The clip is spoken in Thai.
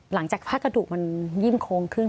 หลังจากผ้ากระดูกมันยิ่งโค้งขึ้น